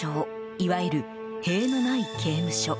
いわゆる塀のない刑務所。